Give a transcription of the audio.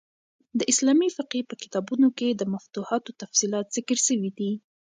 د اسلامي فقهي په کتابو کښي د مفتوحانو تفصیلات ذکر سوي دي.